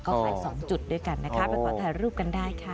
ก็ขาย๒จุดด้วยกันนะคะไปขอถ่ายรูปกันได้ค่ะ